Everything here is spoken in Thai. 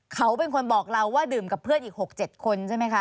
เขาเป็นคนบอกเราว่าดื่มกับเพื่อนอีก๖๗คนใช่ไหมคะ